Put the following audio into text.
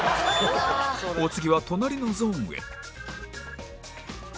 お次は隣のゾーンへ